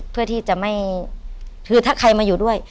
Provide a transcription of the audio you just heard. เพื่อที่จะไม่คือถ้าใครมาอยู่ด้วย